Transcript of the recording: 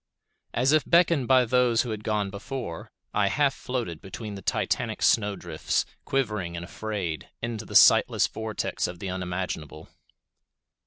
As if beckoned by those who had gone before, I half floated between the titanic snowdrifts, quivering and afraid, into the sightless vortex of the unimaginable.